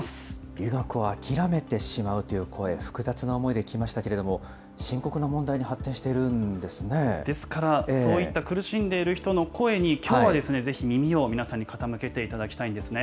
留学を諦めてしまうという声、複雑な思いで聞きましたけれども、深刻な問題に発展しているんですですから、そういった苦しんでいる人の声に、きょうはぜひ耳を皆さんに傾けていただきたいんですね。